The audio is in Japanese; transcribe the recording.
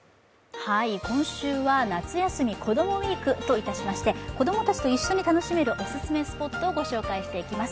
今週は「夏休み子どもＷＥＥＫ」といたしまして子供たちと一緒に楽しめるお勧めスポットを紹介していきます。